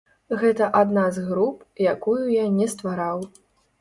Гэта адна з груп, якую я не ствараў.